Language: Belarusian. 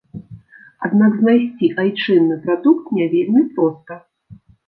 Аднак знайсці айчынны прадукт не вельмі проста.